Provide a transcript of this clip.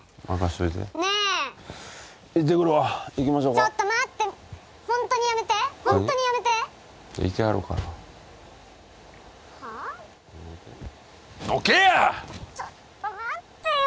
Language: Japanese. ちょっと待ってよ。